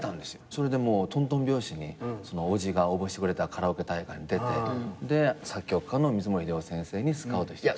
それでもうトントン拍子におじが応募してくれたカラオケ大会に出て作曲家の水森英夫先生にスカウトしていただいて。